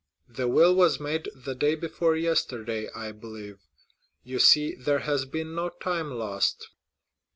The will was made the day before yesterday, I believe; you see there has been no time lost."